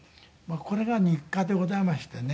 これが日課でございましてね。